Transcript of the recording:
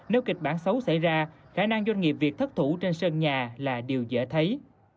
nếu kịch bản xấu xảy ra khả năng doanh nghiệp việt thất thủ trên sân nhà là điều dễ thấy